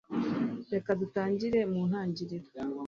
reka dutangire mu ntangiriro